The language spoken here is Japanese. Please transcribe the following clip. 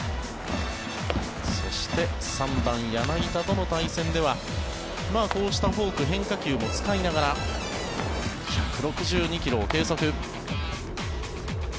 そして３番、柳田との対戦ではこうしたフォーク、変化球も使いながら１６２ｋｍを計測。